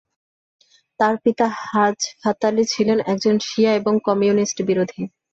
তার পিতা হাজ-ফাতালি ছিলেন একজন শিয়া এবং কমিউনিস্ট বিরোধী।